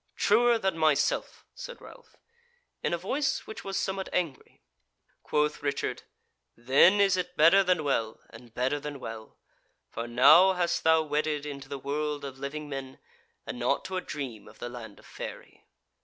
"Truer than myself," said Ralph, in a voice which was somewhat angry. Quoth Richard: "Then is it better than well, and better than well; for now hast thou wedded into the World of living men, and not to a dream of the Land of Fairy."